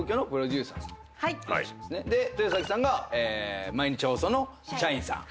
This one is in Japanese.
豊崎さんが毎日放送の社員さん。